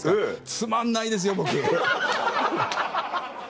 つまんないですよ。